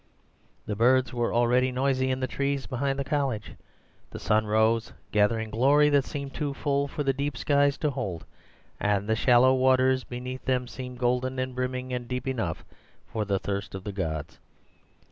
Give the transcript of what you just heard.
The birds were already noisy in the trees behind the college. The sun rose, gathering glory that seemed too full for the deep skies to hold, and the shallow waters beneath them seemed golden and brimming and deep enough for the thirst of the gods.